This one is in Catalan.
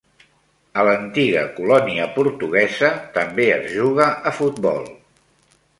A l'antiga colònia portuguesa també es juga a futbol.